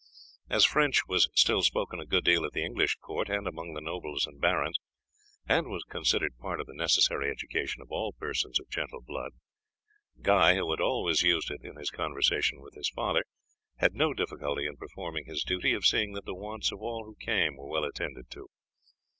As French was still spoken a good deal at the English court and among the nobles and barons, and was considered part of the necessary education of all persons of gentle blood, Guy, who had always used it in his conversation with his father, had no difficulty in performing his duty of seeing that the wants of all who came were well attended to.